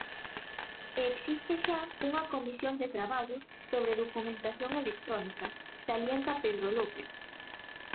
E existe xa "unha comisión de traballo sobre documentación electrónica", salienta Pedro López.